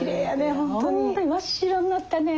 ほんとに真っ白になったね。